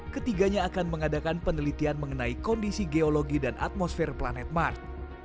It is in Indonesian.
ketiganya akan mengadakan penelitian mengenai kondisi geologi dan atmosfer planet mart